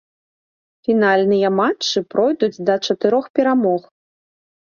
Фінальныя матчы пройдуць да чатырох перамог.